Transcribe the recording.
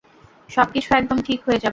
সবকিছু একদম ঠিক হয়ে যাবে।